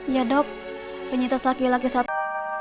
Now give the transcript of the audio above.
ya dok penyita selaki laki satu